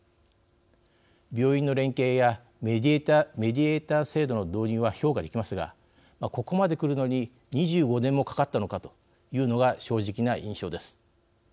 病院の連携やメディエーター制度の導入は評価できますがここまでくるのに２５年もかかったのかというのが正直な印象です。